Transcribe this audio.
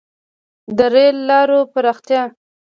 • د رېل لارو پراختیا.